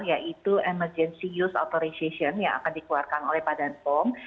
yaitu emergency use authorization yang akan dikeluarkan oleh badan pom